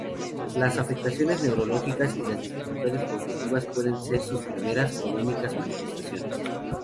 Las afectaciones neurológicas y las dificultades cognitivas pueden ser sus primeras o únicas manifestaciones.